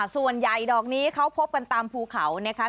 ส่วนใหญ่ดอกนี้เขาพบกันตามภูเขานะคะ